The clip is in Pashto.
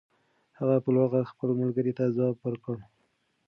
هغه په لوړ غږ خپل ملګري ته ځواب ور کړ.